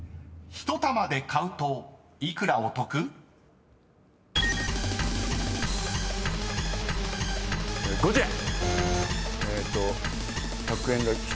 １玉で買うと幾らお得５０円。